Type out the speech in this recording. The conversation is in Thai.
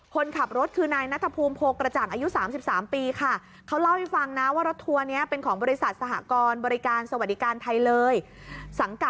คนขับรถคือนายนัทภูมิโพกระจ่างอายุ๓๓ปีค่ะ